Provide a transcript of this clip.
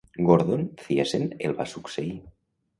Gordon Thiessen el va succeir.